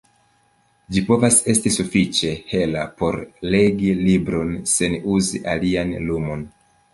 Ĝi povas esti sufiĉe hela por legi libron sen uzi alian lumon.